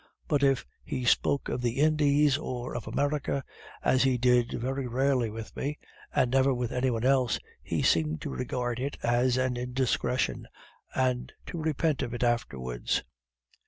But if he spoke of the Indies or of America, as he did very rarely with me, and never with anyone else, he seemed to regard it as an indiscretion and to repent of it afterwards.